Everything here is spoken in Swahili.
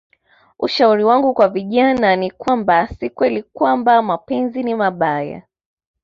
Ushauri wangu kwa vijana ni kwamba si kweli kwamba mapenzi ni mabaya